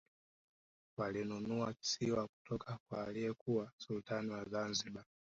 walinunua kisiwa kutoka kwa aliyekuwa sultani wa zanzibar